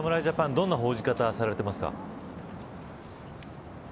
どんな報じ方されてますか。